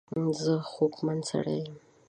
زه خوږمن سړی یم.